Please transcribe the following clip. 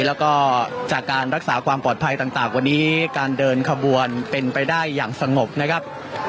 แล้วก็จากการรักษาความปลอดภัยต่างวันนี้การเดินขบวนเป็นไปได้อย่างสงบนะครับ